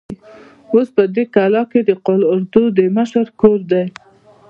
اوس په دې کلا کې د قول اردو د مشر کور دی.